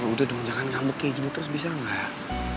udah dong jangan jangan kamu kayak gini terus bisa nggak